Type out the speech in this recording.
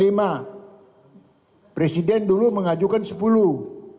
lima presiden dulu mengajukan sepuluh